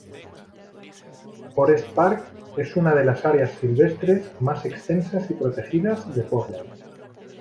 Forest Park es una de las áreas silvestres más extensas y protegidas de Portland.